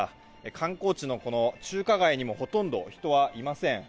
観光地のこの中華街にもほとんど人はいません。